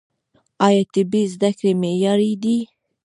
آیا طبي زده کړې معیاري دي؟